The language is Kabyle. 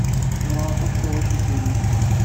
Ḥemmleɣ aṭas tawacult-inu.